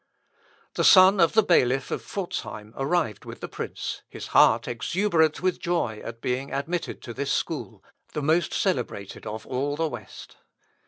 The son of the bailiff of Pforzheim arrived with the prince, his heart exuberant with joy at being admitted to this school, the most celebrated of all the West.